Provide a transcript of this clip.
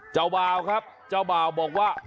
เจ้าบ่าวครับเจ้าบ่าวบอกว่า